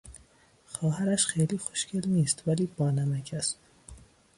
خواهرش خیلی خوشگل نیست ولی بانمک است.